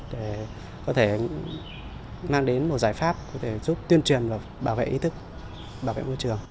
để có thể mang đến một giải pháp có thể giúp tuyên truyền và bảo vệ ý thức bảo vệ môi trường